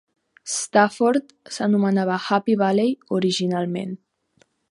Stafford s'anomenava Happy Valley originalment.